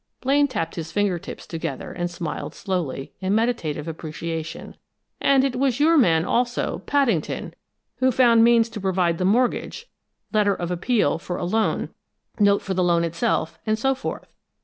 Blaine tapped his finger tips together and smiled slowly, in meditative appreciation. "And it was your man, also, Paddington, who found means to provide the mortgage, letter of appeal for a loan, note for the loan itself, and so forth.